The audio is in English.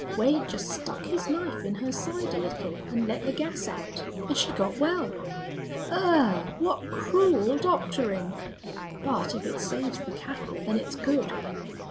Wade jest stuck his knife in her side a little an' let the gas out, and she got well." "Ughh!... What cruel doctoring! But if it saves the cattle, then it's good."